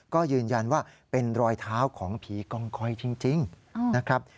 ก็ยืนยันว่าเป็นรอยเท้าของผีกองคอยจริงนะครับ